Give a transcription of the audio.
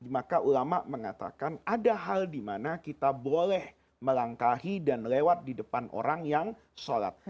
maka ulama mengatakan ada hal di mana kita boleh melangkahi dan lewat di depan orang yang sholat